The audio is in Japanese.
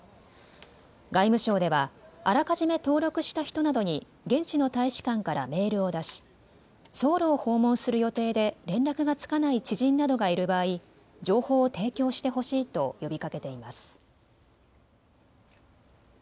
外務省ではあらかじめ登録した人などに現地の大使館からメールを出しソウルを訪問する予定で連絡がつかない知人などがいる場合、情報を提供してほしいと呼びかけています。